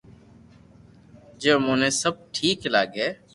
جي اموني سب ٺيڪ لاگي